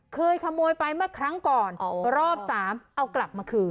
เคยขโมยไปเมื่อครั้งก่อนรอบ๓เอากลับมาคืน